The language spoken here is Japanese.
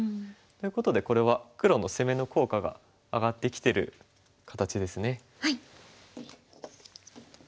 ということでこれは黒の攻めの効果が上がってきてる形ですね。